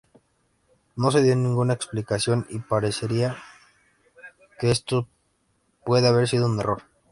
No se dio ninguna explicación, y parecería que esto puede haber sido un error.